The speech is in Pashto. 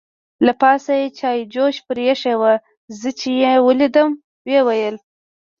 له پاسه یې چای جوش پرې اېښې وه، زه چې یې ولیدم ویې ویل.